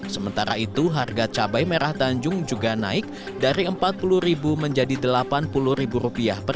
sementara itu harga cabai merah tanjung juga naik dari empat puluh ribu menjadi delapan ribu